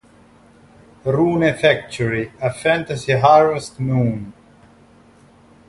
Rune Factory: A Fantasy Harvest Moon